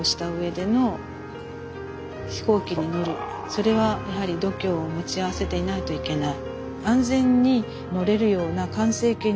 それはやはり度胸を持ち合わせていないといけない。